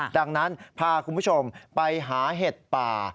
ดังนั้นพาคุณผู้ชมไปหาเห็ดป่า